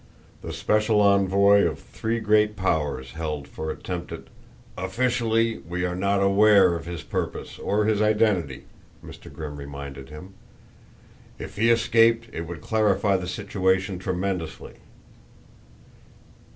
"The special envoy of three great powers held for attempted !" "Officially we are not aware of his purpose, or his identity," Mr. Grimm reminded him. "If he escaped it would clarify the situation tremendously."